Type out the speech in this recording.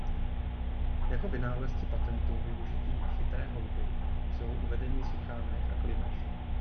Jako vynálezci patentu využití "Chytré houby" jsou uvedeni Suchánek a Klimeš.